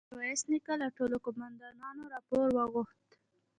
ميرويس نيکه له ټولو قوماندانانو راپور وغوښت.